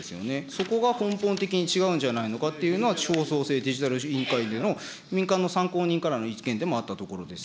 そこが根本的に違うんじゃないのかなというのは、地方創生デジタル委員会での民間の参考人からの意見でもあったところです。